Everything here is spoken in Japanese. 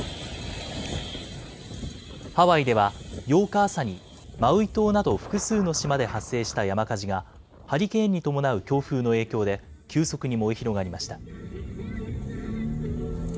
ハワイでは８日朝に、マウイ島など複数の島で発生した山火事が、ハリケーンに伴う強風の影響で、急速に燃え広がりました。